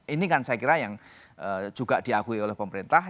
ini kan saya kira yang juga diakui oleh pemerintah